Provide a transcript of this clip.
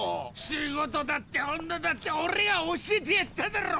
仕事だって女だってオレが教えてやっただろ！